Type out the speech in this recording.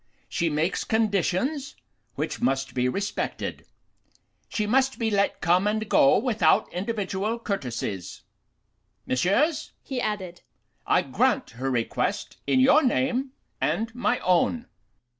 She makes conditions which must be respected. She must be let come and go without individual courtesies. Messieurs,' he added, 'I grant her request in your name and my own.